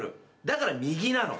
だから右なの。